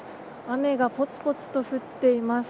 雨がぽつぽつと降っています。